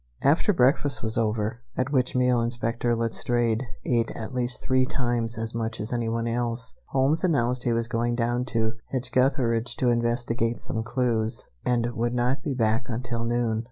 After breakfast was over, at which meal Inspector Letstrayed ate at least three times as much as any one else, Holmes announced he was going down to Hedge gutheridge to investigate some clues, and would not be back until noon.